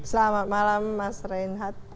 selamat malam mas reinhard